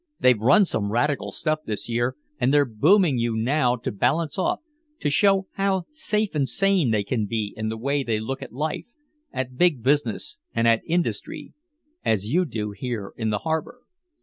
They've run some radical stuff this year, and they're booming you now to balance off, to show how 'safe and sane' they can be in the way they look at life, at big business and at industry as you do here in the harbor.